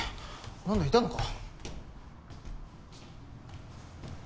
なんだいたのか。